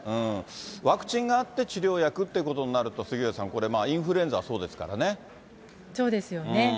ワクチンがあって、治療薬っていうことになると、杉上さん、これまあ、インフルエンザはそうですそうですよね。